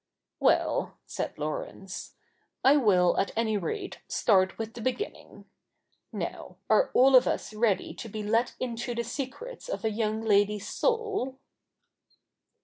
' Well,' said Laurence, ' I will, at any rate, start with the beginning. Now, are all of us ready to be let into the secrets of a young lady's soul